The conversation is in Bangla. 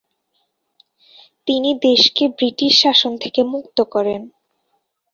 তিনি দেশকে ব্রিটিশ শাসন থেকে মুক্ত করেন।